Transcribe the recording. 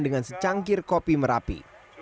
dengan secangkir kopi merapi